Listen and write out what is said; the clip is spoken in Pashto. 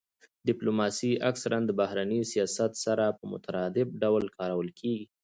ډیپلوماسي اکثرا د بهرني سیاست سره په مترادف ډول کارول کیږي